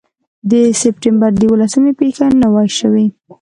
د سپټمبر د یوولسمې پېښه نه وای شوې.